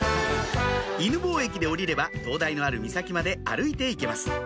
犬吠駅で降りれば灯台のある岬まで歩いて行けます